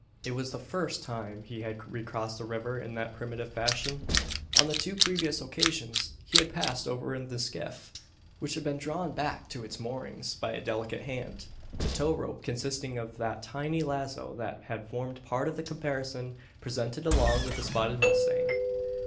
It was the first time he had recrossed the river in that primitive fashion. On the two previous occasions he had passed over in the skiff; which had been drawn back to its moorings by a delicate hand, the tow rope consisting of that tiny lazo that had formed part of the caparison presented along with the spotted mustang.